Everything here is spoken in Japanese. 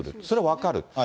それ分かる。